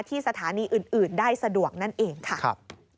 ที่สถานีอื่นได้สะดวกนั่นเองค่ะ